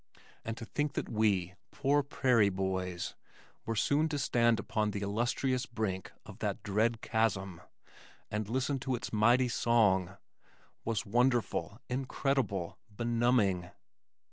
And to think that we, poor prairie boys, were soon to stand upon the illustrious brink of that dread chasm and listen to its mighty song was wonderful, incredible, benumbing!